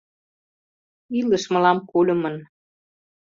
— Илыш мылам кульымын.